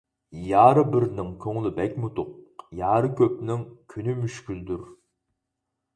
يارى بىرنىڭ كۆڭلى بەكمۇ توق، يارى كۆپنىڭ كۈنى مۈشكۈلدۇر.